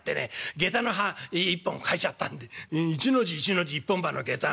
下駄の歯一本欠いちゃったんで『一の字一の字一本歯の下駄のあと』」。